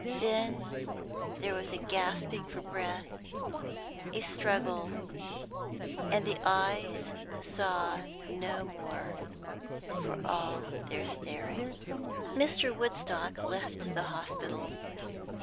Then there was a gasping for breath, a struggle, and the eyes saw no more, for all their staring. Mr. Woodstock left the hospital.